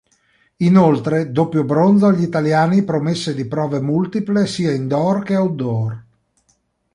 Inoltre doppio bronzo agli italiani promesse di prove multiple sia indoor che outdoor.